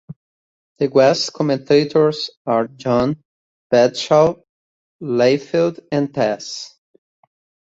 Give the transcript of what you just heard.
The guest commentators are John "Bradshaw" Layfield and Tazz.